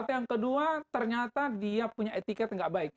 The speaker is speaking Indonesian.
yang kedua ternyata dia punya etiket enggak baik